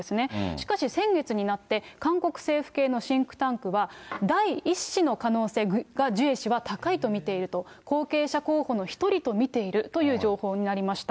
しかし先月になって、韓国政府系のシンクタンクは、第１子の可能性がジュエ氏は高いと見ていると、後継者候補の１人と見ているという情報になりました。